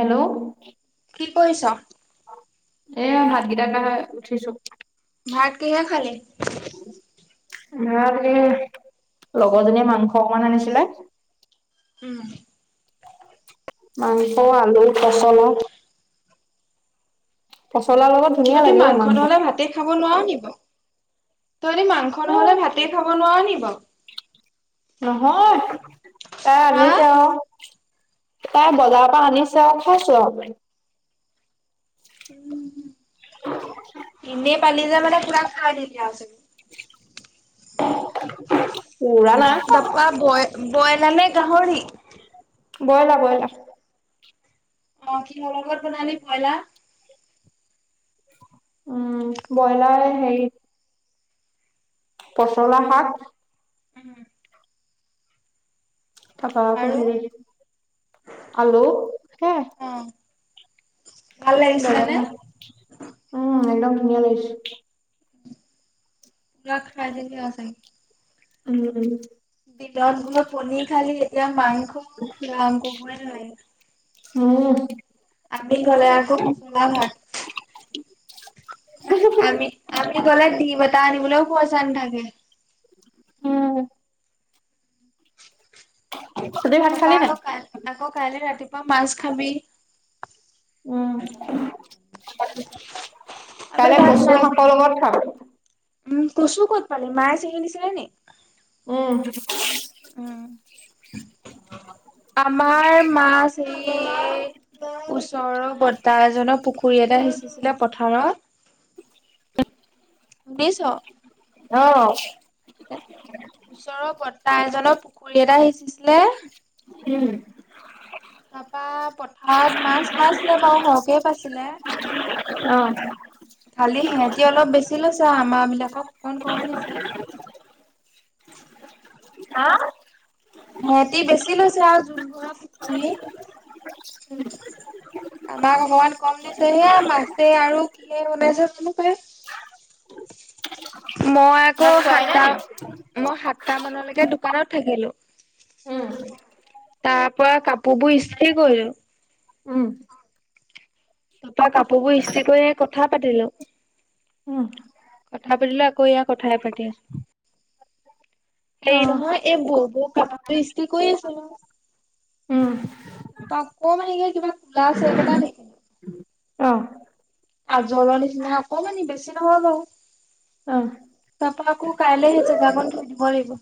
Hello! কি কৰিছ? এয়া, ভাত কেইটা খাই উঠিছো। ভাত কিহে খালি? [unintelligible] লগৰজনীয়ে মাংস অকমান আনিছিলে। উম। মাংস, আলু, ফচলা। [inaudible] ফচলাৰ লগত ধুনীয়া তই কি লাগে অ মাংস নহলে খাই ভাতে খাব নোৱাৰ নি বাও? তইহদি মাংস নহ'লে ভাতেই খাব নোৱাৰ নি বাও? নহয়, তাই হা? আনিছ আও। তাই বজাৰৰ পৰা আনিছে আৰু, খাইছো আও [unintelligible] [unintelligible] ইনে পালি যে মানে পুৰা খাই দিলি আও চাগে। পোৰা নাই খোৱা। তাপা ব বইলা নে গাহৰি? বইলা বইলাৰ। অ কিহ লগত বনালি বইলা? উম বইলাৰ হেই পচলা শাক ও [unintelligible] তাপা আকৌ আৰু? হেৰি, আলু, সেয়া। অ', ভাল ব লাগিছিলে নে? [unintelligible] উম একদম ছোনিয়া লাগিছে। পোৰা খাই দিলি আৰু চাগে। উম [unintelligible] দিনত গৈ পনী খালি, এতিয়া মাংস, ফুৰা কবই নালাগে। অ [unintelligible] আমি গলে আকৌ [unintelligible] ভাত। আমি আমি গ'লে দিম এটা আনিবলৈও পইছা নাথাকে। উম। তহঁতি ভাত তাৰপা খালি নাই? আকৌ কাই আকৌ কাইলৈ ৰাতিপুৱা মাছ খাবি। উম, আমাৰ কালে ভাত কচো নাই শাকৰ লগত খাম। উম, কচু ক'ত পালি মায়ে চিঙি দিছিলে নেকি? উম, উম, আমাৰ মাছ হেৰি ওচৰৰ বৰ্তা এজনে পুখুৰী এটা সিঁচিছিলে পথাৰত। শুনিছ। অ', ওচৰৰ বৰ্তা এজনৰ পুখুৰী এটা সিঁচিছিলে, উম, তাৰপা পথাৰত মাছ পাইছিলে বাৰু সৰহকে পাইছিলে। অ', খালি সিহতি অলপ বেছি লৈছে, আমাৰ বিলাকক অকমান কম দিছে। হা? সিহঁতি বেছি লৈছে আৰু জোন বোৰ পুখুৰী। আমাক অকমান কম দিছে, সেয়া মাছে আৰু কিহে বনাইছে জানু পাই। মই আকৌ ভাত খোৱাই নাই সাতটা নি? মই সাতটা মানলৈকে দোকানত থাকিলো। উম, তাৰ পৰা কাপোৰ বোৰ ইস্ত্ৰী কৰিলো। উম, তপা কাপোৰ বোৰ ইস্ত্ৰি কৰি কথা পাতিলো। উম, কথা পাতিলে আকৌ এয়া কথাই পাতি আছো। হেৰি অ', নহয় এই ব' ব' কাপোৰ ইস্ত্ৰী কৰি আছে নহয়। উম, আকৌ মানে কি কিবা কোলা আছে একেটা নেকি? অহ, আজলৰ নিচিনা অকমানি বেছি নহয় বাও। অ', তাৰাপা আকৌ কাইলে হেই জেগা কণ দিব লাগিব।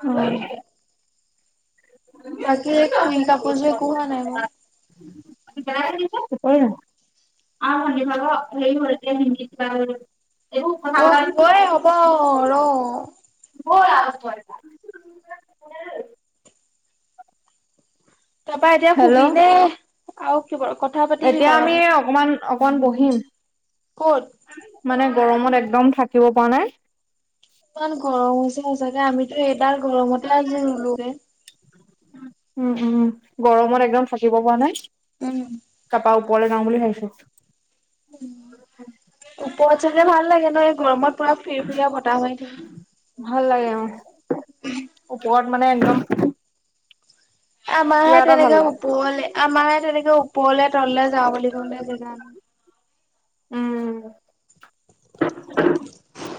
অহ, বাকী খুই কাপোৰযোৰ একো হোৱা নাই বাৰু। উম, ব অ ভি বাব হেই হিন্দীত [unintelligible] এইবোৰ [unintelligible] ৰ ৰ। বৰ ৰা লোকোইছা। [unintelligible] তাৰপা এতিয়া হেল্ল'? সুবিনে আৰু কি কথা পাতিবি ক বাৰ লগত। অকণ বহিম। ক'ত? মানে গৰমত একদম থাকিব পৰা নাই। ইমান গৰম হৈছে সচাকে আমিতো এডাল গৰমতে আজি ৰুলোগে। উম, উম, গৰমত একদম থাকিব পৰা নাই। উম, তাপা ওপৰলে যাওঁ বুলি ভাবিছোঁ। উ, ওপৰত চাগে ভাল লাগে ন' এই গৰমত পুৰা ফৰি ফুৰিয়া বতাহ হৈ থাকে। ভাল লাগে। অ, ওপৰত মানে একদম কিবা আমাৰহে এটা ভাল তেনেকে লাগে। ওপৰলে আমাৰহে তেনেকে ওপৰলে তলে যাওঁ বুলি কওঁলে জেগা। উম,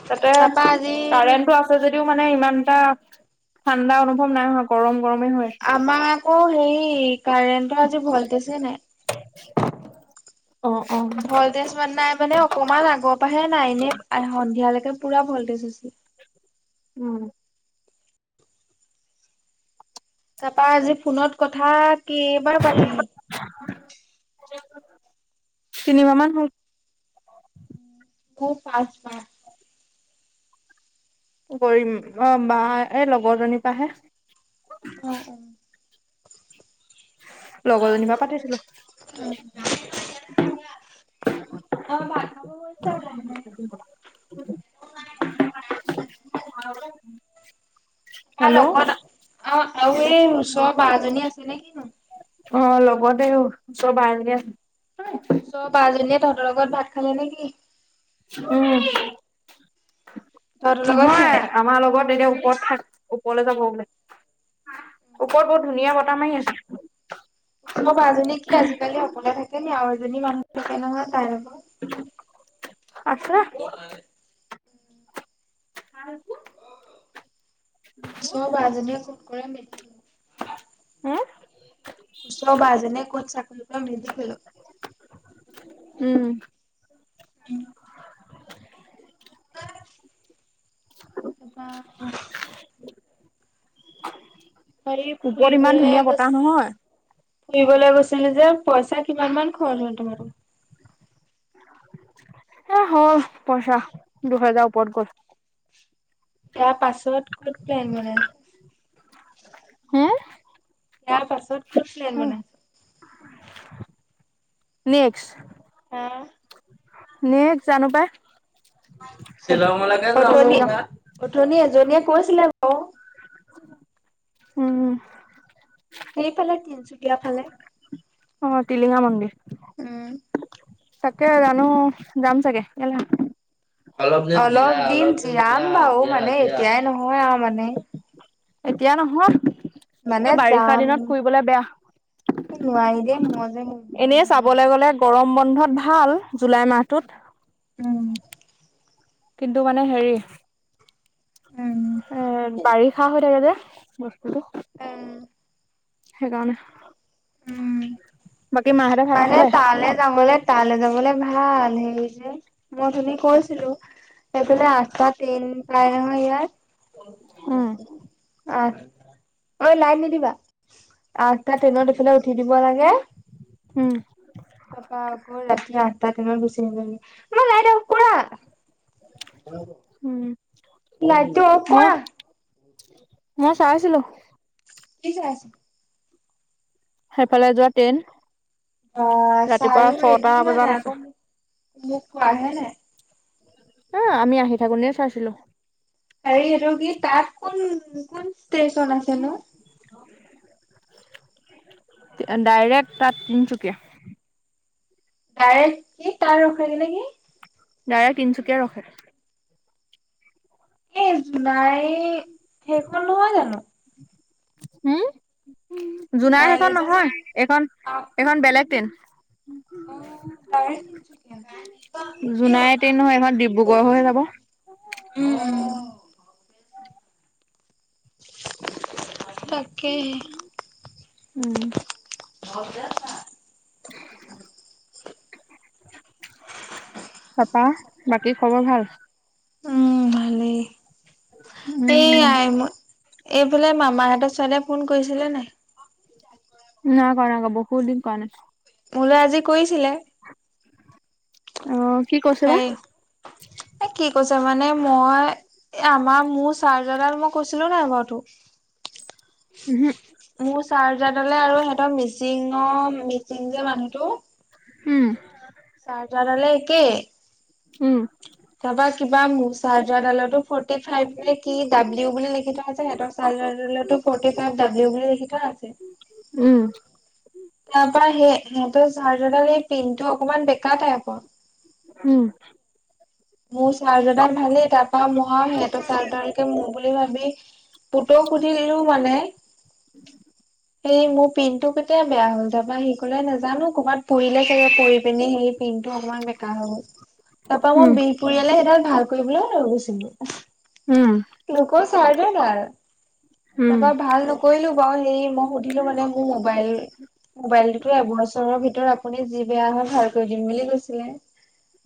তাতে তাৰপা আজি কাৰেণ্টটো আ। আ, যদিও মানে ইমান এটা ঠাণ্ডা অনুভৱ নাই হ গৰম গৰমে হয়। আমাৰ আকৌ হেৰি কাৰেণ্ট আজি ভল্টছে নাই। [unintelligible] অ, অ, ভল্টেজ মানে নাই মানে অকমান আগৰ পৰাহে নাই, ন সন্ধিয়ালৈকে পুৰা ভল্টেজ আছিল। উম তাৰাপা আজি ফোনত কথা কেইবাৰ পাতিলি। তিনিমাহ মান হ'ল। খুব ভাচ মা [unintelligible] কৰিম, অ', বা এই লগৰজনীৰ পৰাহে। অ অ', লগৰজনী পা পাতিছিলোঁ। [unintelligible] অ', ভাত খাব গৈছে লাহে-লাহে। [unintelligible] তাৰ লগত, অ', আৰু এই ওচৰৰ ব জনী আছে নে কিনো? অ', লগতে ওচৰৰ বাঁহ এজনী আছে। বাঁহ জনীয়ে তহঁতৰ লগতাত খালে নেকি? উম। তহঁতৰ লগত নহয়, খালে। আমাৰ লগত এতিয়া ওপৰত থাক ওপৰলৈ যাব বোলে। ওপৰত বহুত ধুনীয়া বতাহ মাৰি আছে। ওচৰ বাঁহ জনী কি আজিকালি অকলে থাকে নি? আৰু এজনী মানুহ থাকে নহয় তাইৰ লগত। আছে। নাই। [unintelligible] ওচৰ বাঁহ জনীয়ে ফন কৰে [unintelligible] হা? ওচৰ বাঁহ জনিয়ে ক'ত চাকৰি কৰে, মেডিকেলত? উম। উম। তাপা তহঁতি কি ওপৰত ইমান ফুৰিবলে ধুনীয়া বতাহ গৈছিলি? নহয়। ফুবলৈ গৈছিলছিলি যে পইচা কিমান মান খৰ হয় তোমাৰো? এ হল পইচা দুহেজাৰ ওৰত গ'ল। তাৰ পাছত ক'ত প্লেন বনাই হা? ইয়াৰ পাছত ক'ত প্লেন বনাইছ? নেক্স? অ'। নেক্সট জানো পাই? কলৈ যাওঁ অথনি-অথনি এজনীয়ে কৈছিলে বাৰু উম। সেইফালে তিনচুকীয়া ফালে। অ', টিলিঙা মন্দিৰ। উম। তাকে জানো যাম চাগে, কেলে? অলপ দিন জিৰাম বাৰু মানে এতিয়াই নহয় আৰু মানে। এতিয়া নহয়, মানে এই বাৰিষা যাম দিনত ফুৰিবলে বেয়া। নোৱাৰি দে, মই যে মৰিবলেও এনেই নাযাওঁ চাবলৈ [unintelligible] গ'লে গৰম বন্ধত ভাল, জুলাই মাহটোত। উম। কিন্তু মানে হেৰি উম এ বাৰিষা হৈ থাকে যে বস্তুটো। উম সেইকাৰনে, উম বাকী মা মানে তালে যাবলে তালে যাবলে ভাল, সেই যে। মই অথনি কৈছিলোঁ, এইফালে আঠটা ট্ৰেইন পায় নহয় ইয়াত। উম। আঠ, ঐ লাইন নিদিবা। আঠটা ট্ৰেইনত এইফালে উঠি দিব লাগে। উম। তাৰপা আকৌ ৰাতি আঠটা ট্ৰেইনত গুচি নাজাবি, [unintelligible] উম নাইতো এঠা মই মই চাই আছিলো। কি চাই আছ? সেইফালে যোৱা ট্ৰেইন। অ' ৰাতিপুৱা চাইও ছটা ৰেডি হয় বজাত নে আছে আকৌ মোক মোক কোৱা হে নাই? অ' আমি আহি থাকোতে চাইছিলো। সেই এইটো কি তাত কোন কোন ষ্টেচন আছেনো? ডাইৰেক্ট তাত তিনচুকীয়া। তাৰে কি তাৰ ৰখাইগে নে কি? ডাইৰেক্ট তিনচুকীয়া ৰখে। এই জোনাই সেইখন নহয় জানো? হুম, জোনাৰ জোনাইলৈ সেইখন যে যায় নহয় এইখন আহ এইখন বেলেগ ট্ৰেইন। অ ডাইৰেক্ট তিনচুকীয়া [unintelligible] জোনাই ট্ৰেইন নহয়, এইখন ডিব্ৰুগড় হৈ যাব। উম তাকেহে। উম [inaudible] তাৰপা বাকী খবৰ ভাল? উম ভালেই, উম এয়া মই এইফালে মামাহঁতৰ ছোৱালীয়ে ফোন কৰিছিলে নাই? নাই কৰা আক বহুত দিন কৰা নাই। মোলৈ আজি কৰিছিলে। অ কি কৈছে বা হেই এ কি কৈছ মানে মই এ আমাৰ মোৰ চাৰ্জাৰডাল মই কৈছিলো নাই বাৰু তোক উমহু মোৰ চাৰ্জাৰডালে আৰু সিহঁতৰ মিচিং অ মিচিং যে মানুহটো হুম। চাৰজাৰডালে একে। উম। তাৰপা কিবা মোচা চাৰ্জাৰডালতো ফৰ্টি ফাইভ কি ডাব্লিউ বুলি লিখি থোৱা আছে। সিহঁতক চাৰ্জাৰডালটো ফৰ্টি ফাইভ বুলি লিখি থোৱা আছে। উম। তাৰ পৰা সেই সিহঁতৰ চাৰ্জাডালৰ পিনটো অকনমান বেকা টাইপৰ। উম। মোৰ চাৰৰ্জাৰ দাল ভালেই। তাৰপা মই সিহঁতৰ চাৰৰ্জাৰ ডালকে‌ মোৰ বুলি ভাবি পুতৌ নিলেউ মানে। সেই মোৰ পিনটো কেতিয়া বেয়া হ'ল। তাৰপা সি ক'লে নাজানো ক'ৰবাত পৰিলে চাগে পৰি পিনে সেই পিনটো অকমান বেক কা হৈ গ'ল তাৰ পৰা উম মই বিহপুৰিয়ালে সেইডাল ভাল কৰিবলৈ লৈ গৈছিলোঁ। উম। লোকে চাই দে নাই তাৰপা ভাল। কৰিলো বাৰু সেই মই সুধিলো মানে মোৰ মোবাইল মবাইলটোতো এবছৰৰ ভিতৰত আপুনি যি বেয়া হয় ভাল কৰি দিম বুলি কৈছিলে।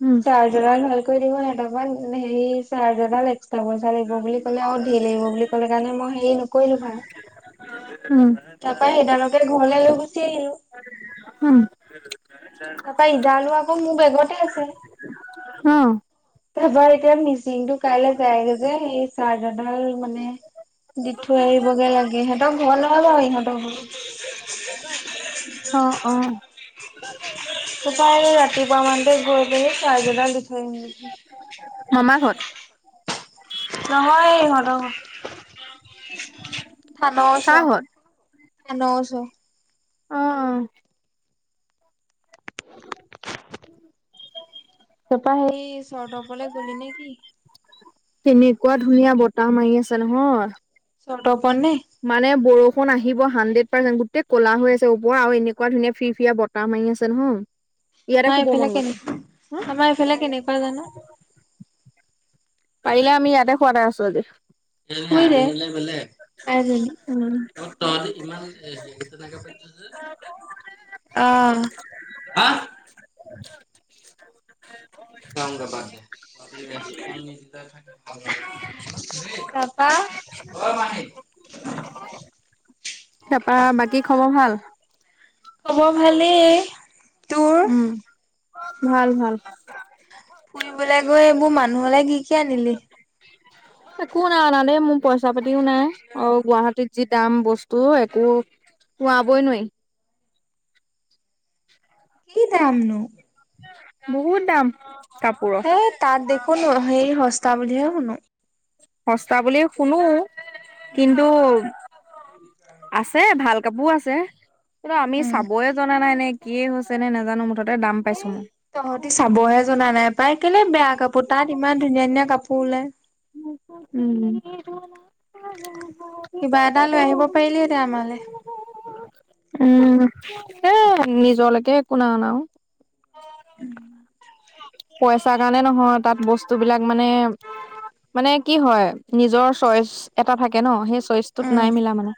উম। চাৰ্জাৰডাল ভালকৈ দিব নাই। তাৰপা হেৰি চাৰ্জাৰডাল পইচা লাগিব বুলি ক'লে আৰু ধেৰ লাগিব বুলি ক'লে কাৰণে মই হেৰি নকৰিলো ভাল উ তাৰ পৰা সেইদালকে ঘৰলে লৈ গুচি আহিলোঁ। তাৰপা ইদালো আকৌ মোৰ বেগতে আছে। অ' তাৰপৰা এতিয়া মিচিংটো কাইলে যায়গৈ যে। এই চাৰ্জাৰডাল মানে দি থৈ আহিবগে লাগে সিহঁতৰ ঘৰ নহয় বাৰু ইহঁতক ঘ অ তাৰপা ৰাতিপুৱা মানতে গৈ পিনি চাৰৰ্জাদাল থৈ আহিম গে মামা ঘৰত নহয় ইহঁতৰ ঘৰত থান ওচ কাৰ ঘৰত থান ওচ। অ তাপা সেই চৰ্ৰধ তপলে গলি নেকি? তেনেকুৱা ধুনীয়া বতাহ মাৰি আছে নহয়। চৰ্তৰ ওপৰত নে। মানে বৰষুণ আহিব হাণ্ড্ৰেড পাৰ্চেন্ট গোটেই ক'লা হৈ আছে। ওপৰত আৰু এনেকুৱা ধুনীয়া ফিৰ ফিৰিৰা ব তাহ মাৰি আছে নহয় ইয়াতে আমাৰ শুব এইফালে মন গৈছে। কেনেকুৱা আমাৰ এইফালে কেনেকুৱা জানো? হ পাৰিলে আমি ইয়াতে শুৱাতেই আছো আজি। শুইদে আইজনী উম, আ তই যে ইমান এ হেৰি তেনেকে পাতিছ যে অ আহ [unintelligible] জাওগে বাদেপ তহঁতি ৰিচপন নিদিলে থাকি [unintelligible] তাপা অ মাহী তাপা বাকী খবৰ ভাল? খবৰ ভালেই তোৰ উম ভাল ভাল ফুৰিবলৈ গৈ এইবোৰ মানুহলে কি কি আনিলি। একো নাই অনা দেই মোৰ পইচা পাতিও নাই অ গুৱাহাটীত যি দাম বস্তু একো খোৱাবই নোৱাই। [unintelligible] কি দাম নো? বহুত দাম কাপোৰৰ সেই তাত দেখোন সেৰি সস্তা বুলিহে শুনো সস্তা বুলিয়ে শুনো উম, কিন্তু আছে ভাল কাপোৰ আছে কিন্তু আমি উম। চাবয়ে জনা নাই নে কিয়ে হৈছে নেজানো মুঠতে দাম পাইছো এই মই তহঁতি চাবহে জনা নাই পাই কেলে বেয়া কাপোৰ তাত ইমান ধুনীয়া ধুনীয়া কাপোৰ ওলাই উম কিবা এটা লৈ আহিব পাৰিলিহেতে আমাৰলে উম এ নিজলৈকে একো নাই অনা ঔ উম পইচাৰ কাৰণে নহয় তাত বস্তু বিলাক মানে মানে কি হয় নিজৰ চইচ এটা থাকে ন সেই চয়েচ টোত উম নাই মিলা মানে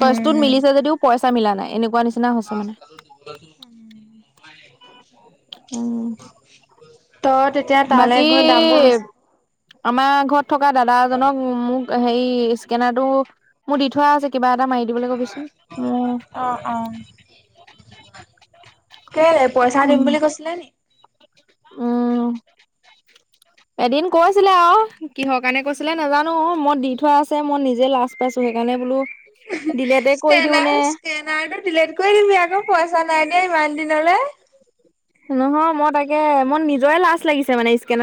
চয়েচটোত নাই উম। মিলা যদিও পইচা মিলা নাই এনেকুৱা নিচ নিচিনা হৈছে মানে উম তই তেতিয়া তালৈ বাকী গৈ দামবোৰ বেছি আমাৰ ঘৰত থকা দাদা এজনক মোক হেৰি স্কেনাৰ টো মোৰ দি থোৱা আছে কিবা এটা মাৰি দিবলে কবিচোন মো অ অ কেলে পইচা দিম বুলি কৈছিলে নি উম এদিন কৈছিলে আও কিহৰ কাৰণে কৈছিলে নাজানো অ মত দি থোৱা আছে মই নিজে লাজ পাইছো সেইকাৰণে বোলো ডিলেটে কৰি দিও নে স্কেনাৰ স্কেনাৰটো ডিলিট কৰি দিবি আকৌ পইচা নাই দিয়া ইমান দিনলে নহয় মই তাকে মোৰ নিজৰে লাজ লাগিছে মানে স্কেনাৰ